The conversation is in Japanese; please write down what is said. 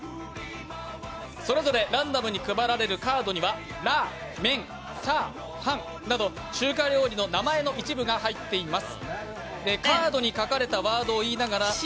それぞれランダムに配られるカードにはラー、メン、チャー、ハンなど中華料理の一部が入っています。